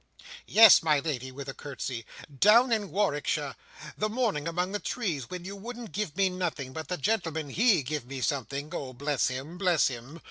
"Yes, my Lady," with a curtsey. "Down in Warwickshire. The morning among the trees. When you wouldn't give me nothing. But the gentleman, he give me something! Oh, bless him, bless him!"